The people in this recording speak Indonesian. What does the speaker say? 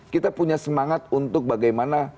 kita punya semangat untuk bagaimana